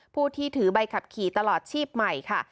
ผู้ที่ถือใบขับขี่ตลอดชีพใหม่ค่ะ